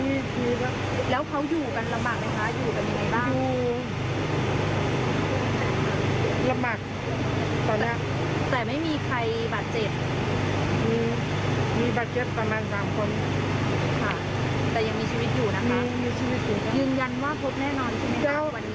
ยืนยันว่าพบแน่นอนชีวิตหลังวันนี้